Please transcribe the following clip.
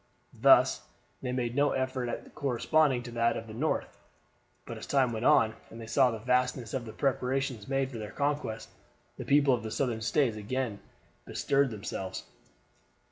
Thus, then, they made no effort at all corresponding to that of the North; but as time went on, and they saw the vastness of the preparations made for their conquest, the people of the Southern States again bestirred themselves.